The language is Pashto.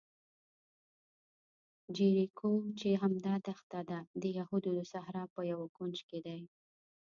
جیریکو چې همدا دښته ده، د یهودو د صحرا په یوه کونج کې دی.